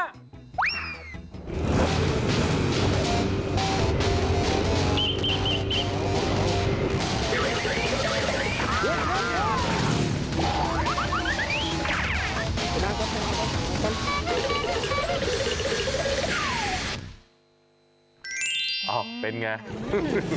อ้าวเป็นอย่างไร